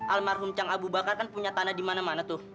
almarhum cang abu bakar kan punya tanah di mana mana tuh